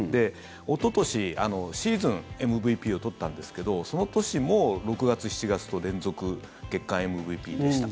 おととし、シーズンＭＶＰを取ったんですけどその年も６月、７月と連続月間ＭＶＰでした。